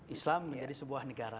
islam menjadi sebuah negara